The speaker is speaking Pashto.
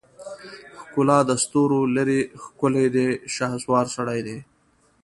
ښکلا دستورولري ښکلی دی شهوار سړی دی